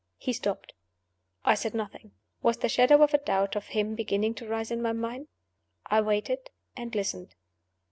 He stopped. I said nothing. Was the shadow of a doubt of him beginning to rise in my mind? I waited, and listened.